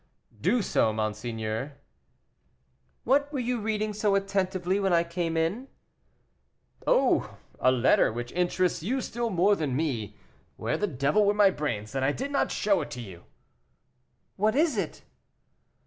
"Do so, monseigneur." "What were you reading so attentively when I came in?" "Oh! a letter, which interests you still more than me. Where the devil were my brains, that I did not show it to you?" "What is it?"